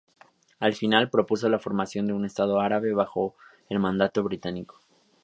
Al final, propuso la formación de un estado árabe bajo el mandato británico.